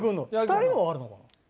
「２人のはあるのかな？」